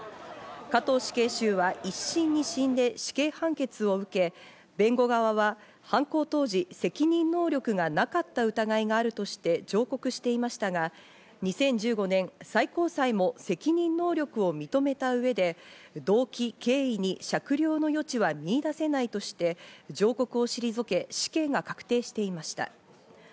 加藤死刑囚は一審・二審で死刑判決を受け、弁護側は犯行当時、責任能力がなかった疑いがあるとして上告していましたが、２０１５年、最高裁も責任能力を認めた上で、動機・経緯に酌量の余地は見いだせないとして、上告を退け、死刑が確定していました。